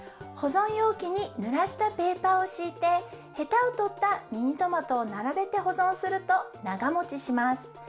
ほぞんようきにぬらしたペーパーをしいてヘタをとったミニトマトをならべてほぞんするとながもちします。